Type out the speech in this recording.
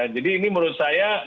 jadi ini menurut saya